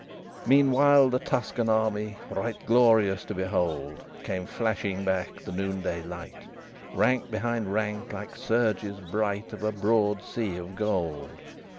XXXV Meanwhile the Tuscan army, Right glorious to behold, Come flashing back the noonday light, Rank behind rank, like surges bright Of a broad sea of gold.